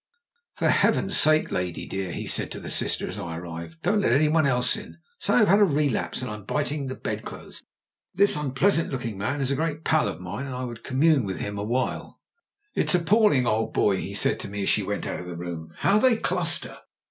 "For Heaven's sake, lady, dear," he said to the sis ter as I arrived, "don't let anyone else in. Say I've had a relapse and am biting the bed clothes. This un JIM BRENT'S V.C. 143 pleasant looking man is a great pal of mine, and I would commune with him awhile." "It's appalling, old boy," he said to me as she went out of the room, "how they cluster.